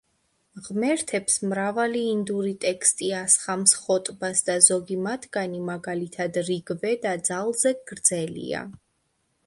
ღმერთებს მრავალი ინდური ტექსტი ასხამს ხოტბას და ზოგი მათგანი, მაგალითად, რიგ ვედა, ძალზე გრძელია.